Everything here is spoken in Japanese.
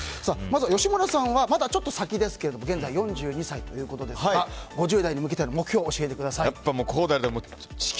まず、吉村さんはまだちょっと先ですが現在４２歳ということですが５０代に向けての目標を教えてください。